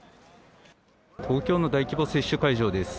東京の大規模接種会場です。